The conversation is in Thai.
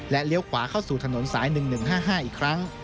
เลี้ยวขวาเข้าสู่ถนนสาย๑๑๕๕อีกครั้ง